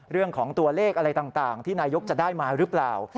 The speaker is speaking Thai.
เรื่องของตัวเลขอะไรต่างที่นายกจะได้มาหรือเปล่า